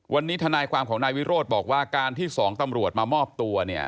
วันนี้ทนายความของนายวิโรธบอกว่าการที่สองตำรวจมามอบตัวเนี่ย